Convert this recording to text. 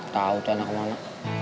tahu tuh anak mana